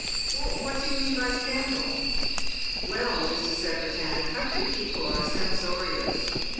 " What do you mean by scandal ?"" Well, Mr. Secretan, country people are censorious.